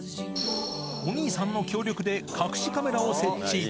お兄さんの協力で隠しカメラを設置。